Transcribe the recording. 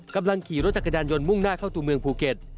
กำลังขี่รถจักรยานยนต์มุ่งหน้าเข้าตัวเมืองภูเก็ต